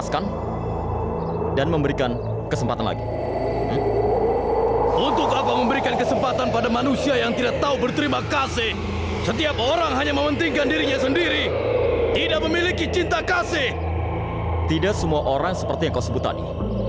semua orang seperti yang kau sebut tadi